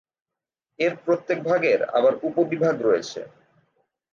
এর প্রত্যেক ভাগের আবার উপবিভাগ রয়েছে।